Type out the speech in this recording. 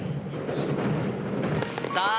さあ